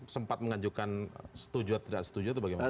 sempat mengajukan setuju atau tidak setuju atau bagaimana